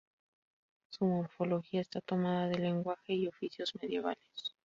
Su morfología está tomada del lenguaje y oficios medievales.